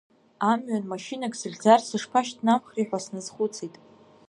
Амҩан машьынак сыхьӡар сышԥашьҭнамхри ҳәа сназхәыцит.